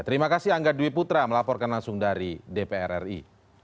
terima kasih angga dwi putra melaporkan langsung dari dpr ri